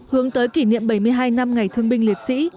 hướng tới kỷ niệm bảy mươi hai năm ngày thương binh liệt sĩ